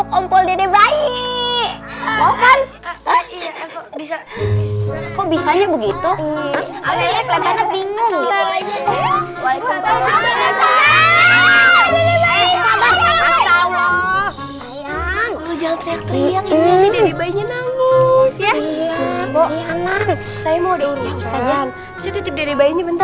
kalau ketahuan cctv kita bisa